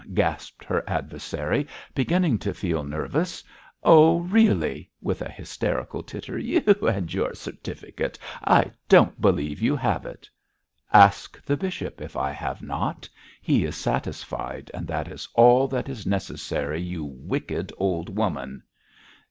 gasped her adversary, beginning to feel nervous; 'oh, really!' with a hysterical titter, 'you and your certificate I don't believe you have it.' 'Ask the bishop if I have not. He is satisfied, and that is all that is necessary, you wicked old woman.'